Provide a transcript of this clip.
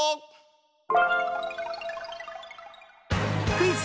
クイズ